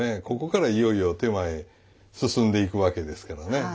ここからいよいよ点前へ進んでいくわけですからね。